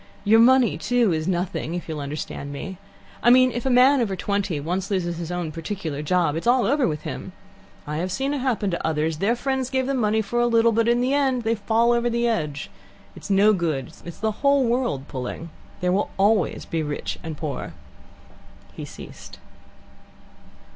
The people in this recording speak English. Your money, too, is nothing, if you'll understand me. I mean if a man over twenty once loses his own particular job, it's all over with him. I have seen it happen to others. Their friends gave them money for a little, but in the end they fall over the edge. It's no good. It's the whole world pulling. There always will be rich and poor." He ceased.